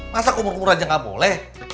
masa kumur kumur aja gak boleh